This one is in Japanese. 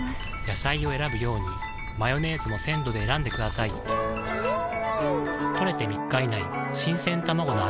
野菜を選ぶようにマヨネーズも鮮度で選んでくださいん！